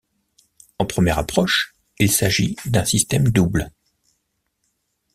En première approche, il s'agit d'un système double.